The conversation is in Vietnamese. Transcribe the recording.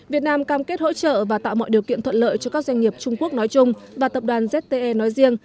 việt nam cam kết hỗ trợ và tạo mọi điều kiện thuận lợi cho các doanh nghiệp trung quốc nói chung và tập đoàn zte nói riêng